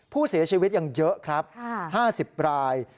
ผู้เสียชีวิตยังเยอะครับ๕๐ราย